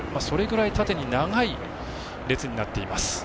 それくらい縦に長い列になっています。